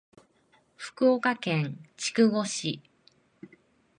福岡県筑後市